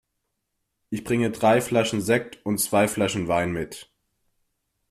Ich bringe drei Flaschen Sekt und zwei Flaschen Wein mit.